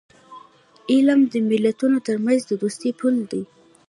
علم د ملتونو ترمنځ د دوستی پل دی.